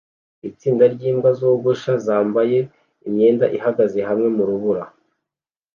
Itsinda ryimbwa zogosha zambaye imyenda ihagaze hamwe murubura